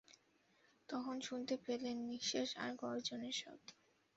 তখন শুনতে পেলেন নিঃশ্বাস আর গর্জনের শব্দ।